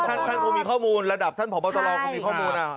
ท่านคงมีข้อมูลระดับท่านผอบตรคงมีข้อมูล